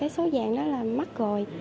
số vàng đó là mất rồi